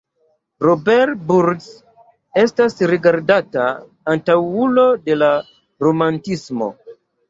Robert Burns estas rigardata antaŭulo de la romantismo.